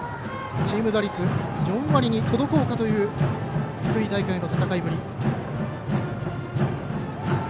チーム打率が４割に届こうかという福井大会の戦いぶり。